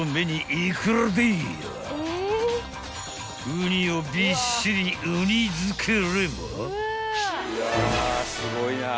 ［ウニをびっしりウニづければ］